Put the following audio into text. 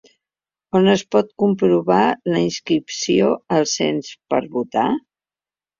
On es pot comprovar la inscripció al cens per a votar?